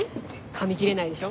かみ切れないでしょ？